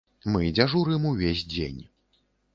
Мы дзяжурым увесь дзень.